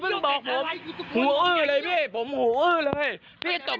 มึงนึกว่าข้ามเขาบ้าง